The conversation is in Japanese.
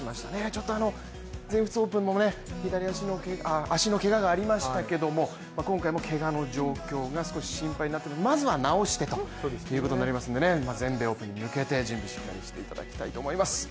ちょっと全仏オープンも足のけががありましたけれども今回もけがの状況が少し心配でまずは治してということになりますので全米オープンに向けて準備しっかりしていただきたいと思います。